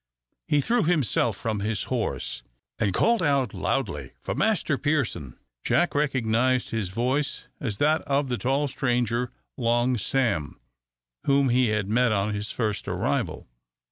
He threw himself from his horse, and called out loudly for Master Pearson. Jack recognised his voice as that of the tall stranger, Long Sam, whom he had met on his first arrival.